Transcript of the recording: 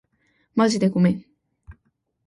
まじでごめん